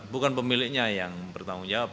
bukan pemiliknya yang bertanggung jawab